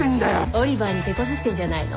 オリバーにてこずってんじゃないの？